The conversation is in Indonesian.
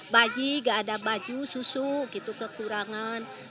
baju enggak ada baju susu kekurangan